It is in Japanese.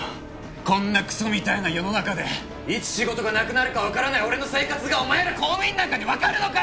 こんなクソみたいな世の中でいつ仕事がなくなるかわからない俺の生活がお前ら公務員なんかにわかるのかよ！